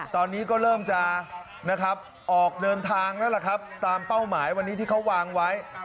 ตอนนี้ก็เริ่มจะนะครับออกเดินทางแล้วล่ะครับตามเป้าหมายวันนี้ที่เขาวางไว้